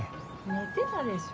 寝てたでしょ？